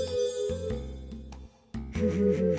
フフフフ。